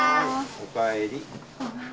おかえり。